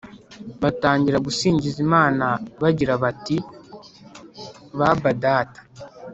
batangira gusingiza Imana bagira bati baba data